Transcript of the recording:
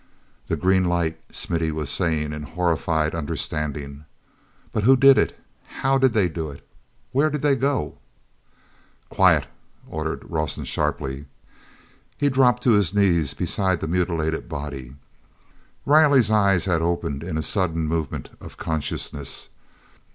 "The green light," Smithy was saying in horrified understanding. "But who did it? How did they do it? Where did they go?" "Quiet!" ordered Rawson sharply. He dropped to his knees beside the mutilated body. Riley's eyes had opened in a sudden movement of consciousness.